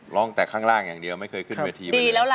ร้องแต่ข้างล่างอย่างเดียวไม่เคยขึ้นเวที